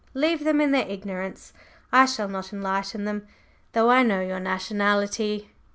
Leave them in their ignorance. I shall not enlighten them, though I know your nationality."